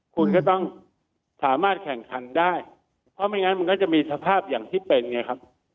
คุณก็ต้องสามารถแข่งขันได้เพราะไม่งั้นมันก็จะมีสภาพอย่างที่เป็นไงครับ